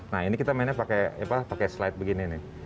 nah ini kita mainnya pakai slide begini nih